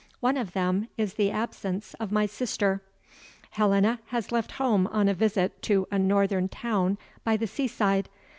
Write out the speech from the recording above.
One of them is the absence of my sister. Helena has left home on a visit to a northern town by the seaside.